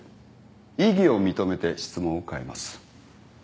異議を認めて質問を変えます。